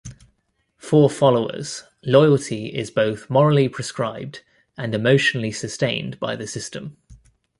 For followers, loyalty is both morally prescribed and emotionally sustained by the system.